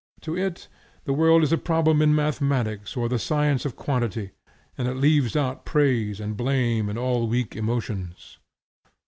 To it, the world is a problem in mathematics or the science of quantity, and it leaves out praise and blame and all weak emotions.